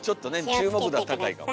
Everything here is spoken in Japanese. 注目度は高いかもね。